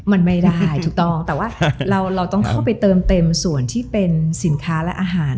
มันไม่ได้ถูกต้องแต่ว่าเราต้องเข้าไปเติมเต็มส่วนที่เป็นสินค้าและอาหาร